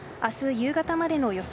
夕方までの予想